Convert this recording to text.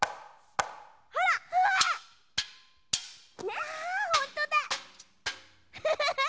わほんとだ！